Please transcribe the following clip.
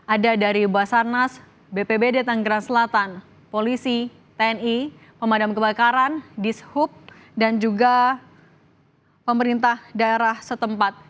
ada dari basarnas bpbd tanggerang selatan polisi tni pemadam kebakaran dishub dan juga pemerintah daerah setempat